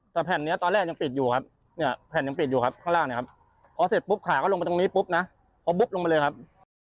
แต่แผ่นนี้ตอนแรกยังปิดอยู่ครับเนี่ยแผ่นยังปิดอยู่ครับข้างล่างเนี่ยครับพอเสร็จปุ๊บขาก็ลงไปตรงนี้ปุ๊บนะพอปุ๊บลงมาเลยครับ